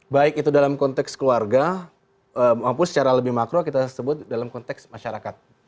baik itu dalam konteks keluarga maupun secara lebih makro kita sebut dalam konteks masyarakat